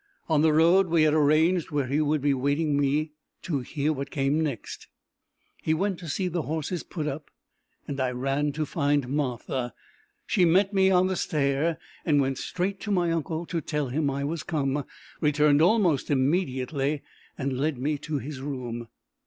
On the road we had arranged where he would be waiting me to hear what came next. He went to see the horses put up, and I ran to find Martha. She met me on the stair, and went straight to my uncle to tell him I was come, returned almost immediately, and led me to his room.